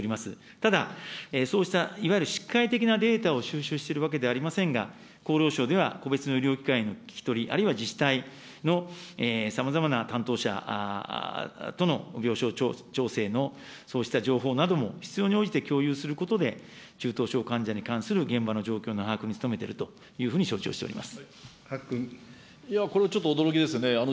ただ、そうしたいわゆるしかい的なデータを収集しているわけではありませんが、厚労省では個別の医療機関への聞き取り、あるいは自治体のさまざまな担当者との病床調整のそうした情報なども必要に応じて共有することで、中等症患者に関する現場の状況の把握に努めているというふうに承知をしております。